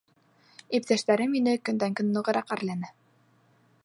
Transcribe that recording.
Иптәштәрем мине көндән-көн нығыраҡ әрләне.